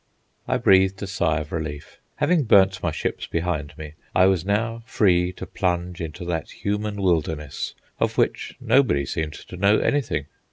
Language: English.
I breathed a sigh of relief. Having burnt my ships behind me, I was now free to plunge into that human wilderness of which nobody seemed to know anything.